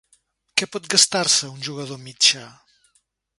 Què pot gastar-se, un jugador mitjà?